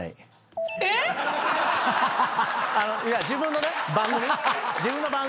自分の番組。